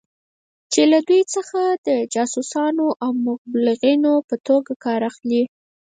چې له دوی څخه د جاسوسانو او مبلغینو په توګه کار اخلي.